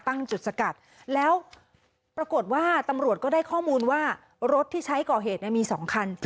ตั้งจุดสกัดแล้วปรากฏว่าตำรวจก็ได้ข้อมูลว่ารถที่ใช้ก่อเหตุมี๒คัน